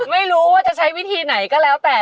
ไม่รู้ว่าจะใช้วิธีไหนก็แล้วแต่